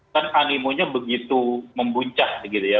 kan animunya begitu membuncah gitu ya